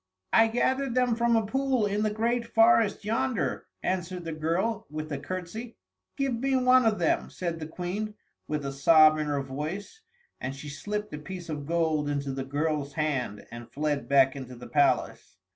"I gathered them from a pool in the great forest yonder," answered the girl, with a curtsey. "Give me one of them," said the Queen, with a sob in her voice, and she slipped a piece of gold into the girl's hand, and fled back into the palace.